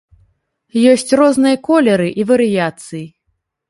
Ёсць розныя колеры і варыяцыі.